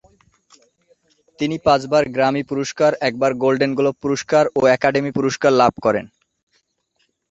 তিনি পাঁচবার গ্র্যামি পুরস্কার, একবার গোল্ডেন গ্লোব পুরস্কার ও একাডেমি পুরস্কার লাভ করেন।